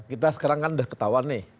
kita sekarang kan udah ketahuan nih